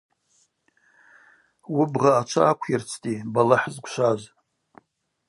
Уыбгъа ачва аквйырцтӏи, балахӏ зквшваз.